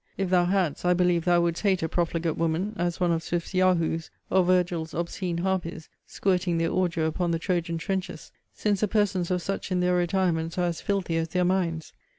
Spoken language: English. If thou hadst, I believe thou wouldst hate a profligate woman, as one of Swift's yahoos, or Virgil's obscene harpies, squirting their ordure upon the Trojan trenches; since the persons of such in their retirements are as filthy as their minds.